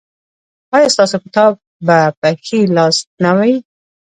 ایا ستاسو کتاب به په ښي لاس نه وي؟